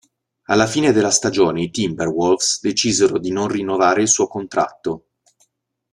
Alla fine della stagione i Timberwolves decisero di non rinnovare il suo contratto.